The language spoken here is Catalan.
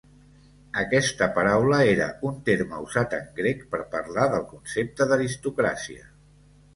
Aquesta paraula era un terme usat en grec per parlar del concepte d'aristocràcia".